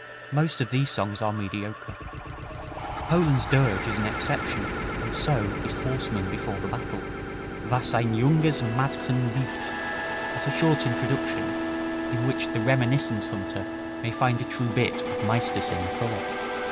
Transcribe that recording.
Most of these songs are mediocre. Poland's Dirge is an exception, and so is Horsemen Before the Battle. "Was ein junges Madchen liebt" has a short introduction, in which the reminiscence hunter may find a true bit of "Meistersinger" color.